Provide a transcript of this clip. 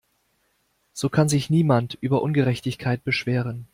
So kann sich niemand über Ungerechtigkeit beschweren.